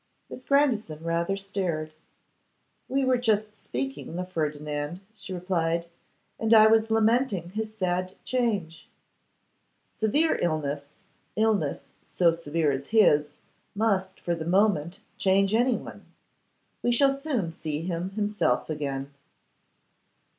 Miss Grandison rather stared. 'We were just speaking of Ferdinand,' she replied, 'and I was lamenting his sad change.' 'Severe illness, illness so severe as his, must for the moment change anyone; we shall soon see him himself again.